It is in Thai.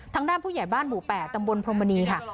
ทางด้านผู้ใหญ่บ้านหมู่๘ตำบลพรมณีค่ะ